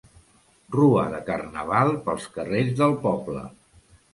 Rua de Carnaval pels carrers del poble.